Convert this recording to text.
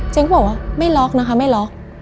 ก็บอกว่าไม่ล็อกนะคะไม่ล็อก